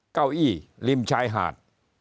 เก้าอี้ริมชายหาด